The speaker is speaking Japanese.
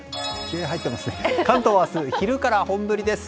関東は明日、昼から本降りです。